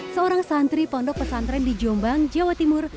seorang santri pondok pesantren di jombang jawa timur